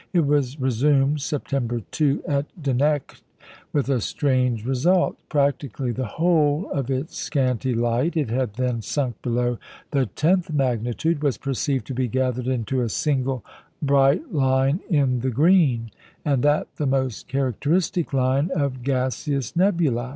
It was resumed, September 2, at Dunecht, with a strange result. Practically the whole of its scanty light (it had then sunk below the tenth magnitude) was perceived to be gathered into a single bright line in the green, and that the most characteristic line of gaseous nebulæ.